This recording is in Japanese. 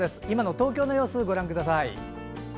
今の東京の様子をご覧ください。